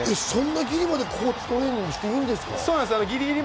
ギリまで高地トレーニングしていいんですか？